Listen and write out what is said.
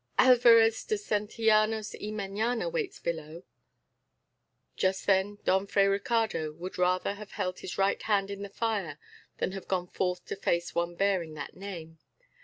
"Alvarez de Santillanos y Meñaya waits below!" Just then Don Fray Ricardo would rather have held his right hand in the fire than have gone forth to face one bearing that name.